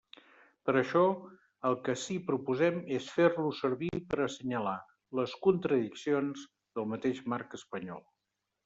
Per això, el que ací proposem és fer-lo servir per a assenyalar les contradiccions del mateix marc espanyol.